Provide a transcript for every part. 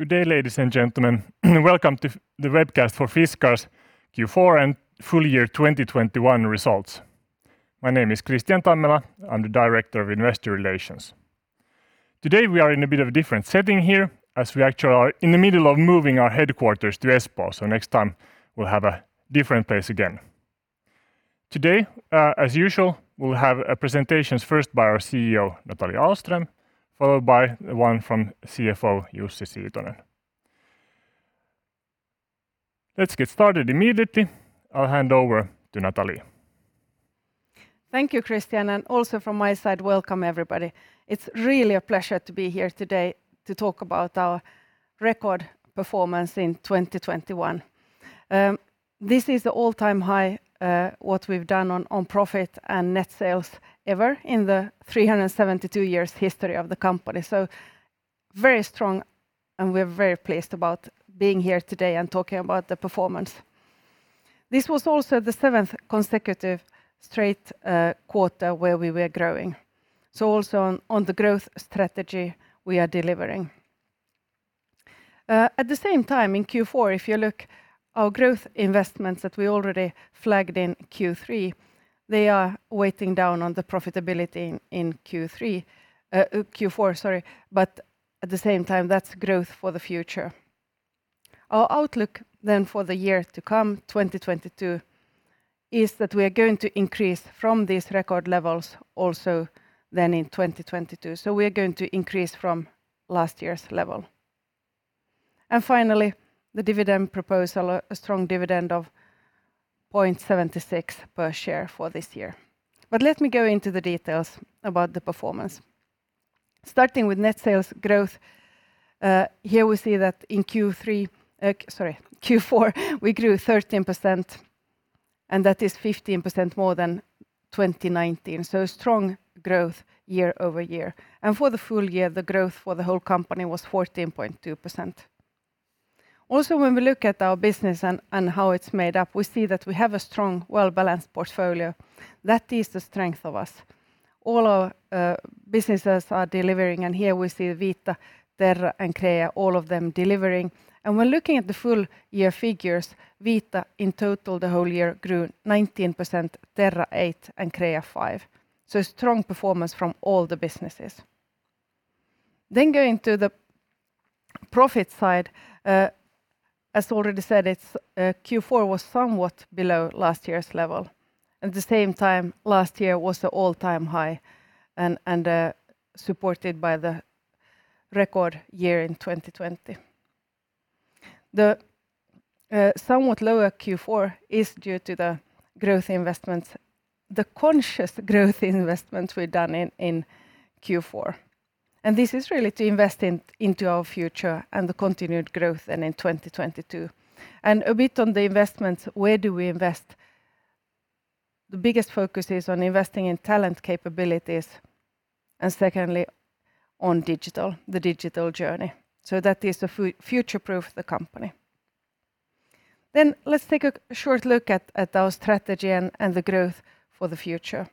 Good day, ladies and gentlemen. Welcome to the webcast for Fiskars' Q4 and full year 2021 results. My name is Kristian Tammela. I'm the Director of Investor Relations. Today we are in a bit of a different setting here as we actually are in the middle of moving our headquarters to Espoo, so next time we'll have a different place again. Today, as usual, we'll have presentations first by our CEO, Nathalie Ahlström, followed by one from CFO Jussi Siitonen. Let's get started immediately. I'll hand over to Nathalie. Thank you, Kristian, and also from my side, welcome everybody. It's really a pleasure to be here today to talk about our record performance in 2021. This is the all-time high, what we've done on profit and net sales ever in the 372-year history of the company, so very strong and we're very pleased about being here today and talking about the performance. This was also the seventh consecutive straight quarter where we were growing, so also on the growth strategy we are delivering. At the same time, in Q4 if you look, our growth investments that we already flagged in Q3, they are weighing down on the profitability in Q4, sorry, but at the same time, that's growth for the future. Our outlook then for the year to come, 2022, is that we are going to increase from these record levels also then in 2022. We are going to increase from last year's level. Finally, the dividend proposal, a strong dividend of 0.76 per share for this year. Let me go into the details about the performance. Starting with net sales growth, here we see that in Q4 we grew 13% and that is 15% more than 2019, so strong growth year-over-year. For the full year, the growth for the whole company was 14.2%. When we look at our business and how it's made up, we see that we have a strong, well-balanced portfolio. That is the strength of us. All our businesses are delivering and here we see Vita, Terra, and Crea, all of them delivering. When looking at the full year figures, Vita in total the whole year grew 19%, Terra 8%, and Crea 5%, so strong performance from all the businesses. Going to the profit side, as already said, it's Q4 was somewhat below last year's level. At the same time, last year was an all-time high and supported by the record year in 2020. The somewhat lower Q4 is due to the growth investments, the conscious growth investments we've done in Q4. This is really to invest into our future and the continued growth in 2022. A bit on the investments, where do we invest? The biggest focus is on investing in talent capabilities, and secondly on digital, the digital journey. That is to future-proof the company. Let's take a short look at our strategy and the growth for the future.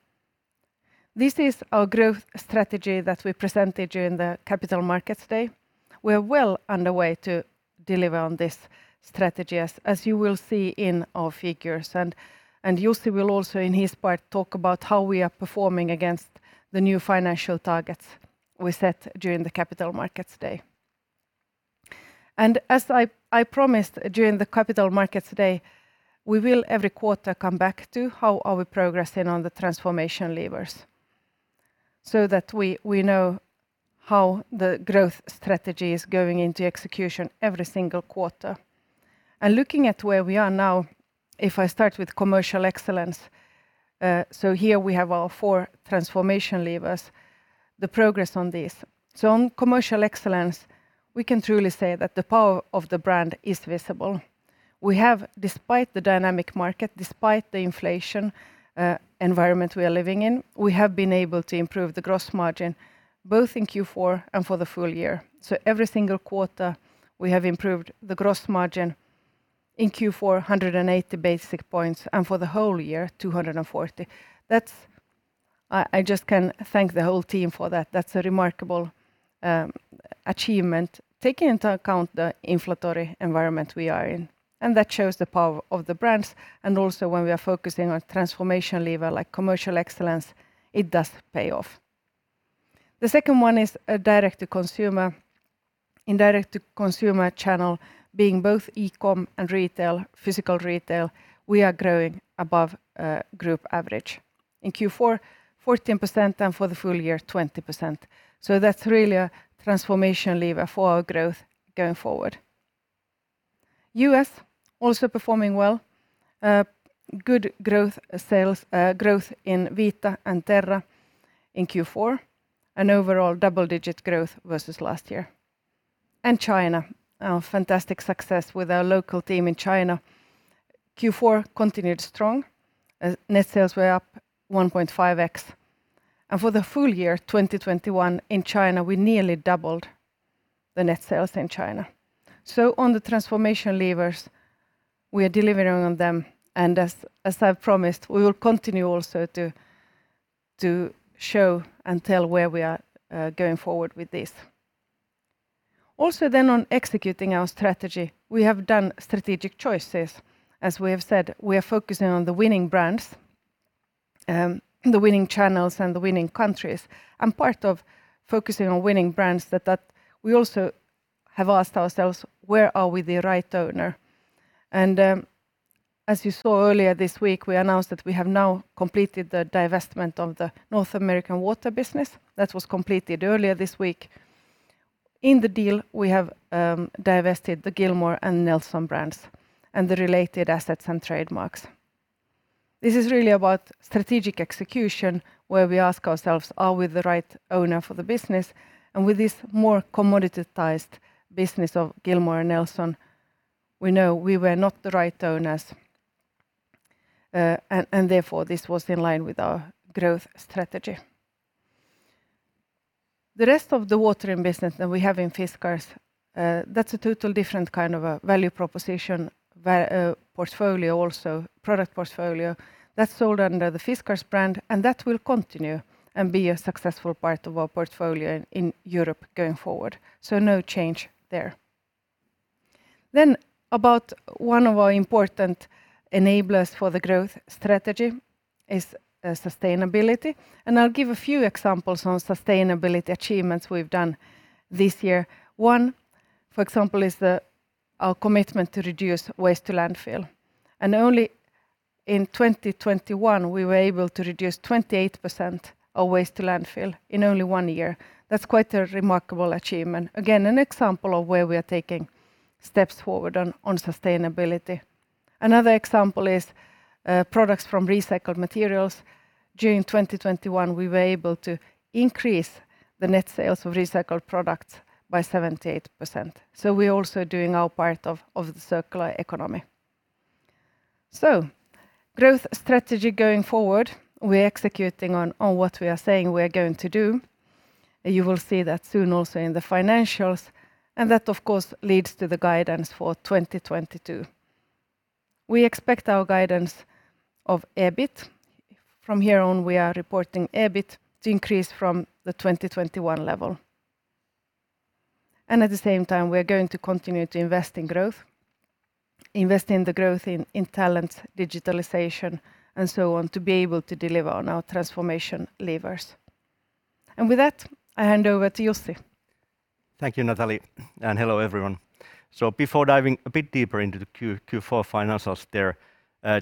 This is our growth strategy that we presented during the Capital Markets Day. We are well underway to deliver on this strategy as you will see in our figures. Jussi will also in his part talk about how we are performing against the new financial targets we set during the Capital Markets Day. As I promised during the Capital Markets Day, we will every quarter come back to how are we progressing on the transformation levers so that we know how the growth strategy is going into execution every single quarter. Looking at where we are now, if I start with commercial excellence, here we have our four transformation levers, the progress on this. On commercial excellence we can truly say that the power of the brand is visible. We have, despite the dynamic market, despite the inflation environment we are living in, we have been able to improve the gross margin both in Q4 and for the full year. Every single quarter we have improved the gross margin. In Q4, 180 basis points, and for the whole year, 240. That's. I just can thank the whole team for that. That's a remarkable achievement taking into account the inflationary environment we are in. That shows the power of the brands and also when we are focusing on transformation lever like commercial excellence, it does pay off. The second one is direct to consumer. In direct to consumer channel, being both e-com and retail, physical retail, we are growing above group average. In Q4, 14% and for the full year, 20%, so that's really a transformation lever for our growth going forward. U.S. also performing well. Good sales growth in Vita and Terra in Q4, and overall double-digit growth versus last year. China, our fantastic success with our local team in China, Q4 continued strong as net sales were up 1.5x. For the full year 2021 in China, we nearly doubled the net sales in China. On the transformation levers. We are delivering on them, and as I've promised, we will continue also to show and tell where we are going forward with this. On executing our strategy, we have done strategic choices. As we have said, we are focusing on the winning brands, the winning channels, and the winning countries. Part of focusing on winning brands that we also have asked ourselves, "Where are we the right owner?" As you saw earlier this week, we announced that we have now completed the divestment of the North American watering business. That was completed earlier this week. In the deal, we have divested the Gilmour and Nelson brands and the related assets and trademarks. This is really about strategic execution, where we ask ourselves, "Are we the right owner for the business?" With this more commoditized business of Gilmour and Nelson, we know we were not the right owners, and therefore, this was in line with our growth strategy. The rest of the watering business that we have in Fiskars, that's a total different kind of a value proposition, portfolio also, product portfolio that's sold under the Fiskars brand, and that will continue and be a successful part of our portfolio in Europe going forward. So no change there. About one of our important enablers for the growth strategy is sustainability, and I'll give a few examples on sustainability achievements we've done this year. One, for example, is our commitment to reduce waste to landfill. Only in 2021 we were able to reduce 28% of waste to landfill in only one year. That's quite a remarkable achievement. Again, an example of where we are taking steps forward on sustainability. Another example is products from recycled materials. During 2021, we were able to increase the net sales of recycled products by 78%, so we're also doing our part of the circular economy. Growth strategy going forward, we're executing on what we are saying we are going to do. You will see that soon also in the financials, and that of course leads to the guidance for 2022. We expect our guidance of EBIT. From here on, we are reporting EBIT to increase from the 2021 level. At the same time, we are going to continue to invest in growth, invest in the growth in talent, digitalization, and so on, to be able to deliver on our transformation levers. With that, I hand over to Jussi. Thank you, Nathalie, and hello, everyone. Before diving a bit deeper into the Q4 financials there,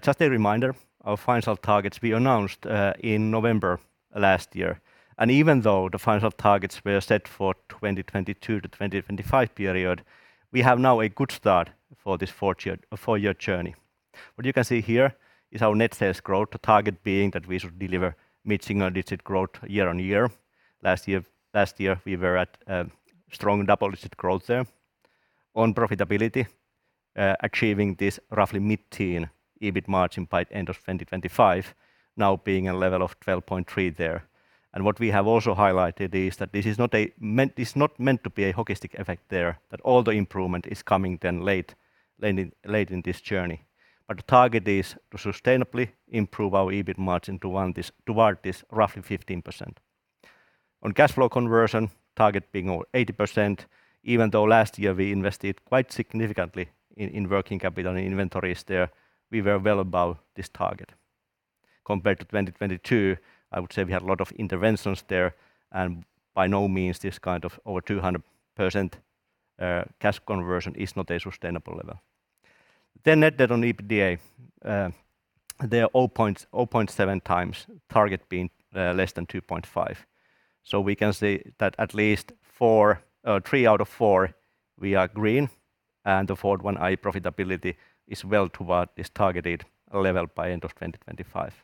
just a reminder, our financial targets we announced in November last year. Even though the financial targets were set for 2022 to 2025 period, we have now a good start for this four-year journey. What you can see here is our net sales growth, the target being that we should deliver mid-single digit growth year-on-year. Last year, we were at strong double-digit growth there. On profitability, achieving this roughly mid-teen EBIT margin by end of 2025 now being a level of 12.3% there. What we have also highlighted is that this is not meant to be a hockey stick effect there, that all the improvement is coming then late in this journey. The target is to sustainably improve our EBIT margin to around this, toward this roughly 15%. On cash flow conversion, target being over 80%, even though last year we invested quite significantly in working capital and inventories there, we were well above this target. Compared to 2022, I would say we had a lot of interventions there, and by no means this kind of over 200% cash conversion is not a sustainable level. Net debt to EBITDA is 0.7x, target being less than 2.5x. We can say that at least four, three out of four we are green and the fourth one, high profitability, is well toward its targeted level by end of 2025.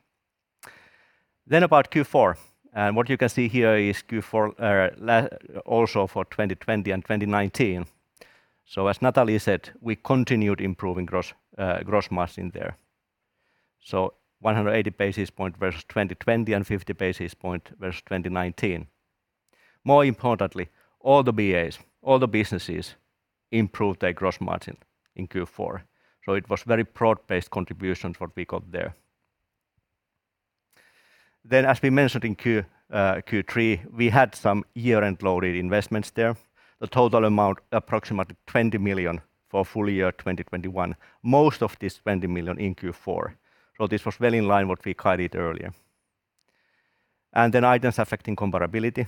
About Q4, and what you can see here is Q4 also for 2020 and 2019. As Nathalie said, we continued improving gross margin there. 180 basis points versus 2020 and 50 basis points versus 2019. More importantly, all the BAs, all the businesses improved their gross margin in Q4, so it was very broad-based contributions what we got there. As we mentioned in Q3, we had some year-end loaded investments there. The total amount approximately 20 million for full year 2021. Most of this 20 million in Q4. This was well in line with what we guided earlier. Items affecting comparability,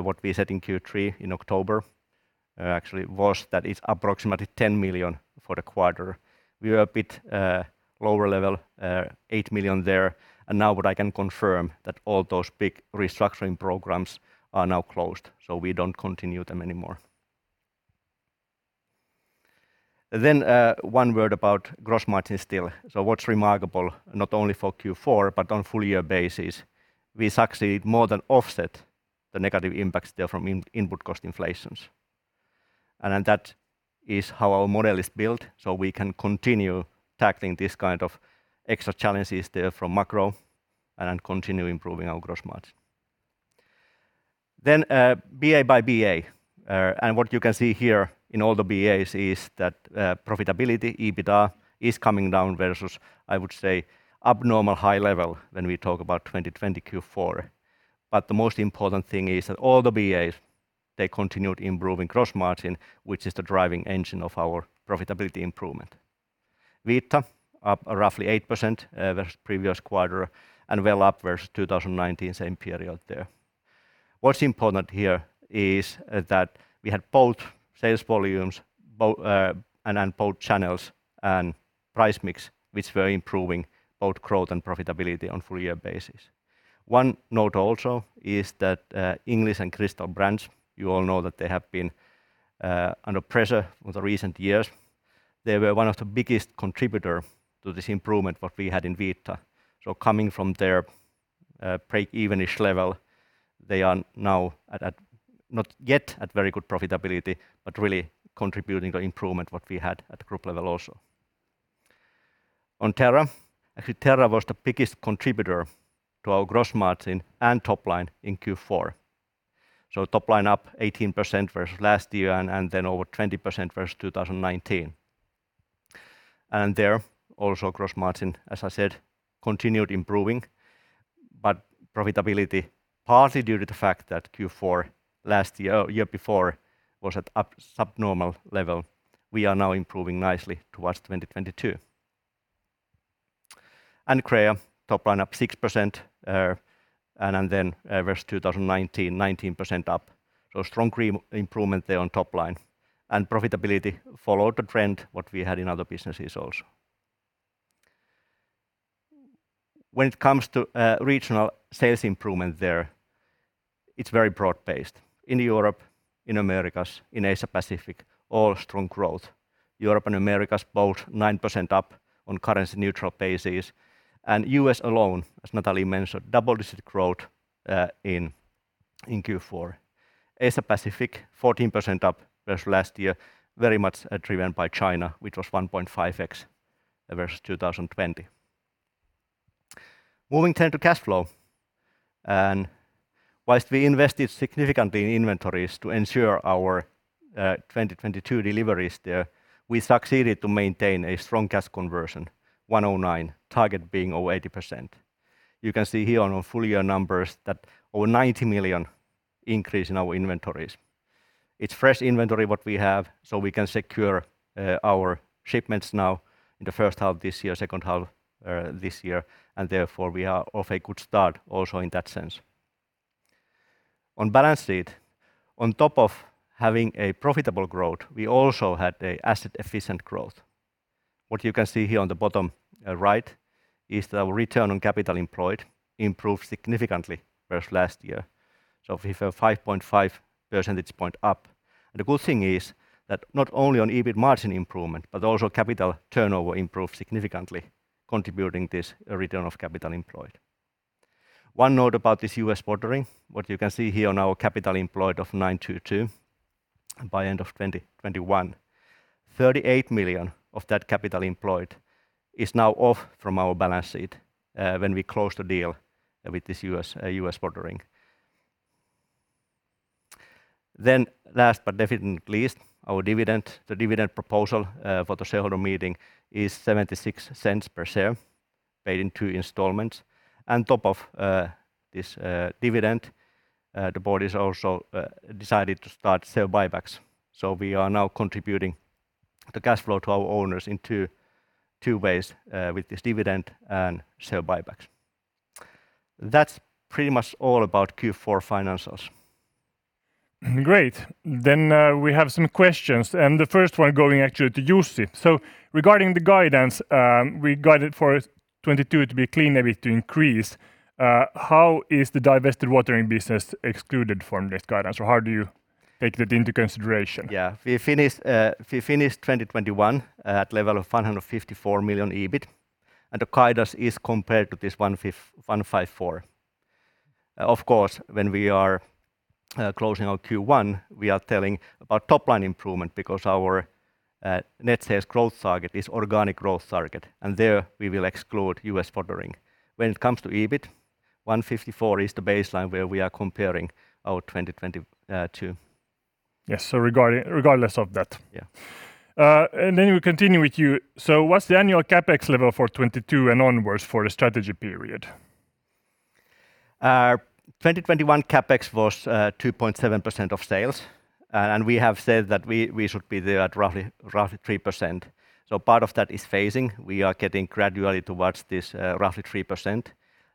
what we said in Q3 in October, actually it was that it's approximately 10 million for the quarter. We are a bit lower level, 8 million there, and now what I can confirm that all those big restructuring programs are now closed, so we don't continue them anymore. One word about gross margin still. What's remarkable, not only for Q4 but on full year basis, we succeed more than offset the negative impacts therefrom input cost inflations. That is how our model is built, so we can continue tackling this kind of extra challenges therefrom macro and then continue improving our gross margin. BA by BA. What you can see here in all the BAs is that profitability, EBITDA, is coming down versus, I would say, abnormal high level when we talk about 2020 Q4. The most important thing is that all the BAs, they continued improving gross margin, which is the driving engine of our profitability improvement. Vita, up roughly 8%, versus previous quarter, and well up versus 2019 same period there. What's important here is that we had both sales volumes and channels and price mix, which were improving both growth and profitability on full-year basis. One note also is that English and Crystal brands, you all know that they have been under pressure in the recent years. They were one of the biggest contributor to this improvement what we had in Vita. Coming from their break-even-ish level, they are now at not yet at very good profitability, but really contributing to improvement what we had at group level also. On Terra, actually Terra was the biggest contributor to our gross margin and top line in Q4. Top line up 18% versus last year and then over 20% versus 2019. There also gross margin, as I said, continued improving. Profitability, partly due to the fact that Q4 last year before, was at subnormal level, we are now improving nicely towards 2022. Crea, top line up 6% and then versus 2019, 19% up. Strong improvement there on top line. Profitability followed the trend what we had in other businesses also. When it comes to regional sales improvement there, it's very broad-based. In Europe, in Americas, in Asia Pacific, all strong growth. Europe and Americas both 9% up on currency-neutral basis. U.S. alone, as Nathalie mentioned, double-digit growth in Q4. Asia Pacific, 14% up versus last year, very much driven by China, which was 1.5x versus 2020. Moving then to cash flow, while we invested significantly in inventories to ensure our 2022 deliveries there, we succeeded to maintain a strong cash conversion, 109, target being over 80%. You can see here on our full-year numbers that over 90 million increase in our inventories. It's fresh inventory what we have, so we can secure our shipments now in the first half this year, second half this year, and therefore we are off a good start also in that sense. On balance sheet, on top of having a profitable growth, we also had an asset-efficient growth. What you can see here on the bottom right is the return on capital employed improved significantly versus last year, so we have a 5.5 percentage point up. The good thing is that not only on EBIT margin improvement, but also capital turnover improved significantly, contributing this return of capital employed. One note about this U.S. watering, what you can see here on our capital employed of 922 million by end of 2021, 38 million of that capital employed is now off from our balance sheet when we close the deal with this U.S. watering. Last but definitely not least, our dividend. The dividend proposal for the shareholder meeting is 0.76 per share paid in two installments. On top of this dividend, the board has also decided to start share buybacks. We are now contributing the cash flow to our owners in two ways with this dividend and share buybacks. That's pretty much all about Q4 financials. Great. We have some questions, and the first one going actually to Jussi. Regarding the guidance, we guided for 2022 to be clean EBIT to increase. How is the divested U.S. watering business excluded from this guidance? Or how do you take that into consideration? Yeah. We finished 2021 at level of 154 million EBIT, and the guidance is compared to this 154 million. Of course, when we are closing our Q1, we are telling about top-line improvement because our net sales growth target is organic growth target, and there we will exclude U.S. watering. When it comes to EBIT, 154 million is the baseline where we are comparing our 2022. Yes. Regardless of that. Yeah. We continue with you. What's the annual CapEx level for 2022 and onwards for the strategy period? Our 2021 CapEx was 2.7% of sales, and we have said that we should be there at roughly 3%. Part of that is phasing. We are getting gradually towards this roughly 3%.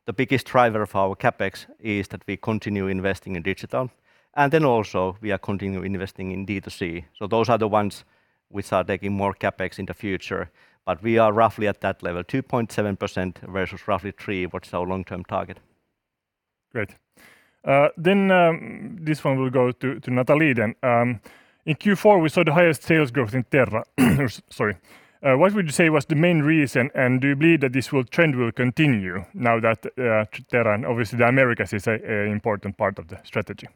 The biggest driver of our CapEx is that we continue investing in digital, and then also we are continue investing in D2C. Those are the ones which are taking more CapEx in the future. We are roughly at that level, 2.7% versus roughly 3%, what's our long-term target. Great. This one will go to Nathalie then. In Q4, we saw the highest sales growth in Terra. Sorry. What would you say was the main reason, and do you believe that this trend will continue now that Terra, and obviously the Americas is an important part of the strategy?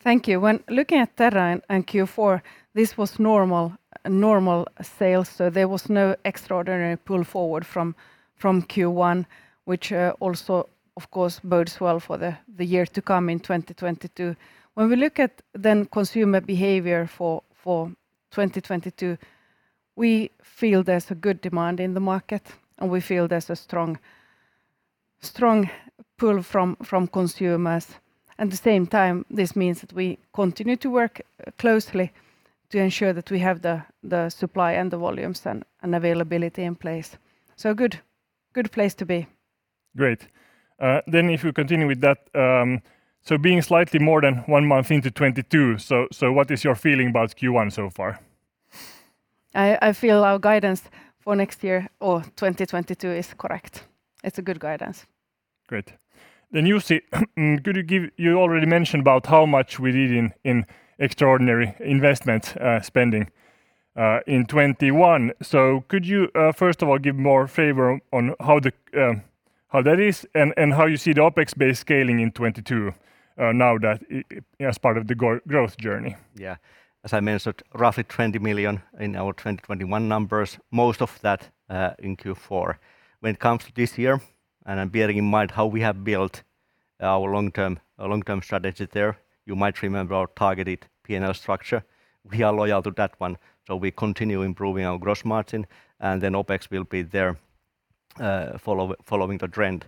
Thank you. When looking at Terra and Q4 this was normal sales, so there was no extraordinary pull forward from Q1 which also of course bodes well for the year to come in 2022. When we look at then consumer behavior for 2022, we feel there's a good demand in the market, and we feel there's a strong pull from consumers. At the same time this means that we continue to work closely to ensure that we have the supply and the volumes and availability in place. Good place to be. Great. If you continue with that, being slightly more than one month into 2022, what is your feeling about Q1 so far? I feel our guidance for next year or 2022 is correct. It's a good guidance. Great. Jussi, you already mentioned about how much we did in extraordinary investment spending in 2021. Could you first of all give more flavor on how that is and how you see the OPEX base scaling in 2022, now that it's part of the growth journey? Yeah. As I mentioned, roughly 20 million in our 2021 numbers. Most of that in Q4. When it comes to this year, and then bearing in mind how we have built our long-term strategy there, you might remember our targeted P&L structure. We are loyal to that one, so we continue improving our gross margin, and then OPEX will be there, following the trend.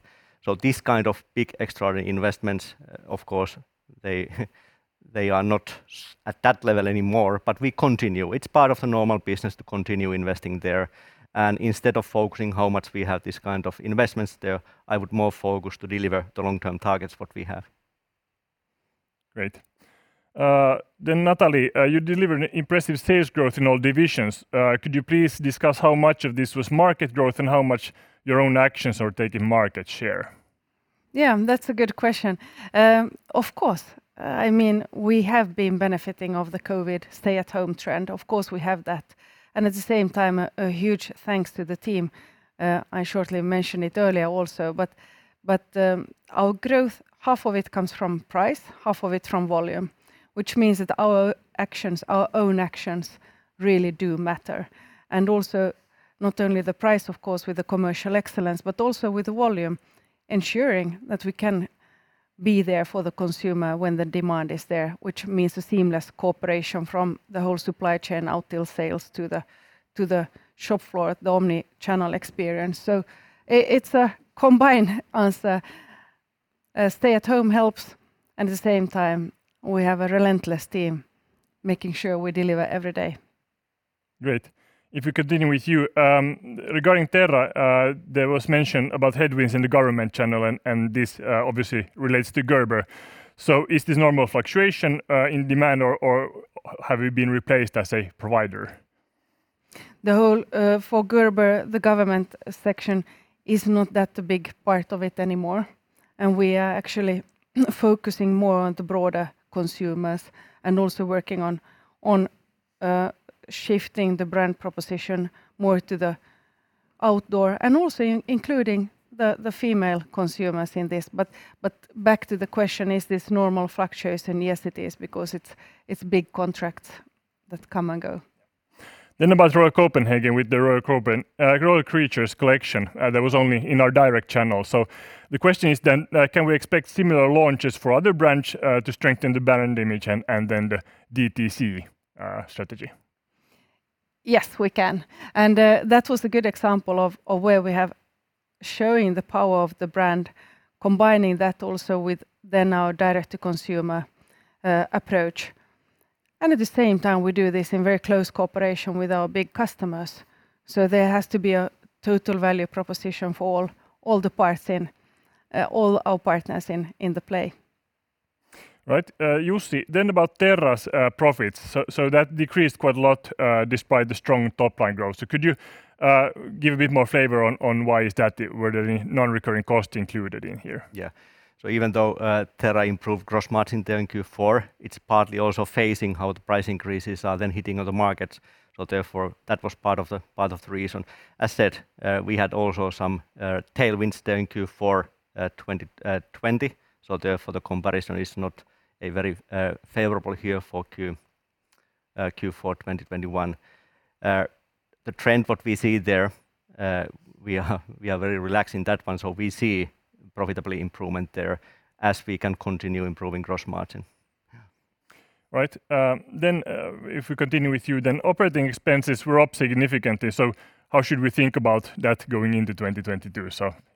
This kind of big extraordinary investments of course they are not so at that level anymore, but we continue. It's part of the normal business to continue investing there. Instead of focusing how much we have this kind of investments there, I would more focus to deliver the long-term targets what we have. Great. Then Nathalie, you delivered an impressive sales growth in all divisions. Could you please discuss how much of this was market growth and how much your own actions are taking market share? Yeah, that's a good question. Of course, I mean, we have been benefiting of the COVID stay-at-home trend. Of course we have that. At the same time, huge thanks to the team. I shortly mentioned it earlier also, but our growth, half of it comes from price, half of it from volume which means that our actions, our own actions really do matter. Also not only the price of course with the commercial excellence, but also with the volume ensuring that we can be there for the consumer when the demand is there which means a seamless cooperation from the whole supply chain out to the sales to the shop floor, the omni-channel experience. It's a combined answer. Stay-at-home helps, and at the same time we have a relentless team making sure we deliver every day. Great. If we continue with you. Regarding Terra, there was mention about headwinds in the government channel and this obviously relates to Gerber. Is this normal fluctuation in demand or have you been replaced as a provider? The whole for Gerber, the government section is not that big part of it anymore, and we are actually focusing more on the broader consumers and also working on shifting the brand proposition more to the outdoor and also including the female consumers in this. Back to the question, is this normal fluctuation? Yes, it is, because it's big contracts that come and go. About Royal Copenhagen with the Royal Creatures collection, that was only in our direct channel. The question is, can we expect similar launches for other brands to strengthen the brand image and then the DTC strategy? Yes, we can. That was a good example of where we are showing the power of the brand combining that also within our direct-to-consumer approach. At the same time we do this in very close cooperation with our big customers, so there has to be a total value proposition for all our partners in the play. Right. Jussi, then about Terra's profits. That decreased quite a lot, despite the strong top line growth. Could you give a bit more flavor on why is that? Were there any non-recurring costs included in here? Yeah. Even though Terra improved gross margin there in Q4, it's partly also phasing how the price increases are then hitting other markets. Therefore that was part of the reason. As said, we had also some tailwinds there in Q4 2020. Therefore the comparison is not a very favorable here for Q4 2021. The trend what we see there, we are very relaxed in that one, so we see profitability improvement there as we can continue improving gross margin. Right. Then, if we continue with you, then operating expenses were up significantly. How should we think about that going into 2022?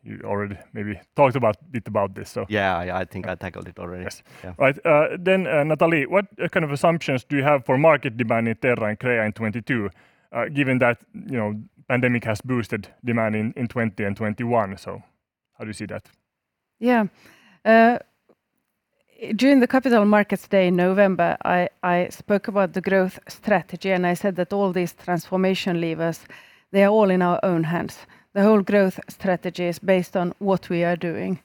You already maybe talked about a bit about this, so. Yeah. I think I tackled it already. Yes. Yeah. All right. Nathalie, what kind of assumptions do you have for market demand in Terra and Crea in 2022, given that, you know, pandemic has boosted demand in 2020 and 2021? How do you see that? Yeah. During the Capital Markets Day in November, I spoke about the growth strategy, and I said that all these transformation levers, they are all in our own hands. The whole growth strategy is based on what we are doing.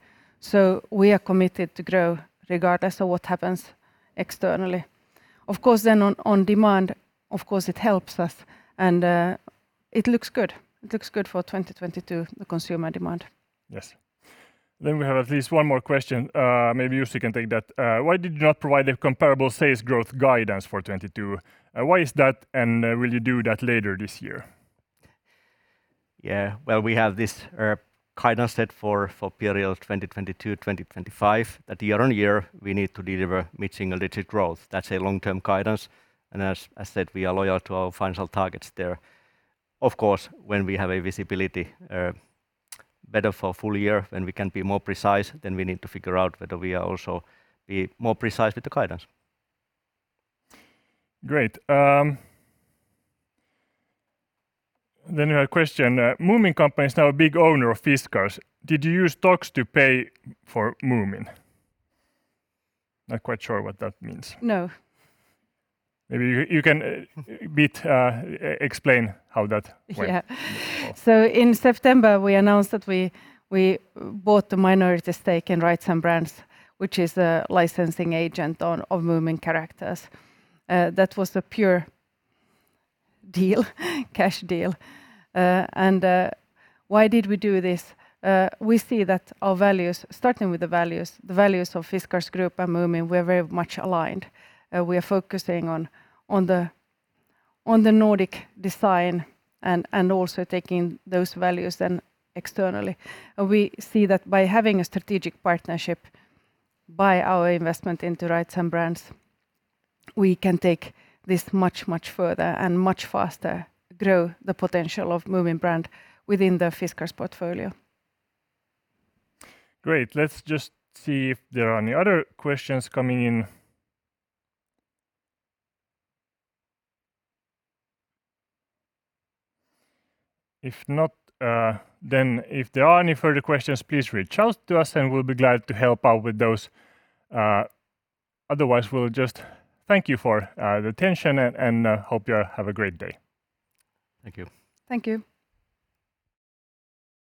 We are committed to grow regardless of what happens externally. Of course then on demand, of course it helps us and, it looks good. It looks good for 2022, the consumer demand. Yes. We have at least one more question. Maybe Jussi can take that. Why did you not provide a comparable sales growth guidance for 2022? Why is that, and will you do that later this year? Well, we have this guidance set for period 2022-2025 that year-on-year we need to deliver mid-single-digit growth. That's a long-term guidance, and as said, we are loyal to our financial targets there. Of course, when we have a visibility better for full year and we can be more precise, then we need to figure out whether we are also be more precise with the guidance. Great. We have a question. Moomin Characters is now a big owner of Fiskars. Did you use stocks to pay for Moomin? Not quite sure what that means. No. Maybe you can explain how that went. Yeah. In September, we announced that we bought the minority stake in Rights & Brands, which is a licensing agent of Moomin Characters. That was a pure cash deal. Why did we do this? We see that our values, starting with the values of Fiskars Group and Moomin, were very much aligned. We're focusing on the Nordic design and also taking those values then externally. We see that by having a strategic partnership, by our investment into Rights & Brands, we can take this much further and much faster grow the potential of Moomin brand within the Fiskars portfolio. Great. Let's just see if there are any other questions coming in. If not, then if there are any further questions, please reach out to us and we'll be glad to help out with those. Otherwise, we'll just thank you for the attention and hope you all have a great day. Thank you. Thank you.